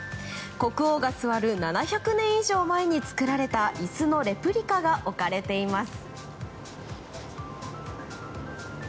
国王が座る７００年以上前に作られた椅子のレプリカが置かれています。